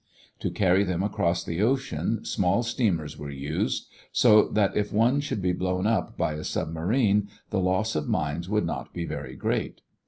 To carry them across the ocean small steamers were used, so that if one should be blown up by a submarine the loss of mines would not be very great.